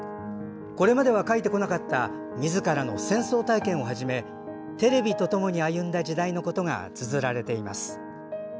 これまでは書いてこなかったみずからの戦争体験をはじめ、テレビとともに歩んだ時代のことがつづられています。